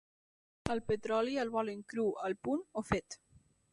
El petroli, el volen cru, al punt o fet?